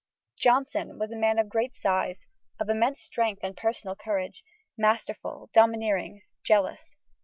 Jonson was a man of great size, of immense strength and personal courage masterful, domineering, jealous.